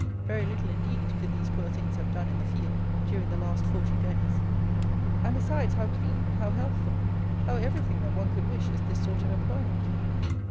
Very little, indeed, could these poor things have done in the field during the last forty days. And, besides, how clean; how healthful; how everything that one could wish is this sort of employment!